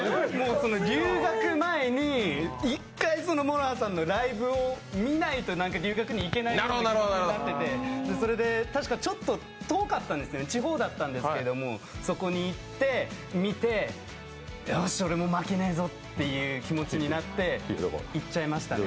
留学前に１回、ＭＯＲＯＨＡさんのライブを見ないと留学に行けないという状態になっててたしかちょっと遠かったんです、地方だったんですけれども、そこに行って、見て、よし、俺も負けねぇぞという気持ちになって言っちゃいましたね。